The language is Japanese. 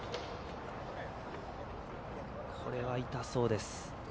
これは痛そうです。